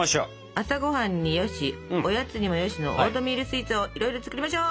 朝ごはんによしおやつにもよしのオートミールスイーツをいろいろ作りましょう！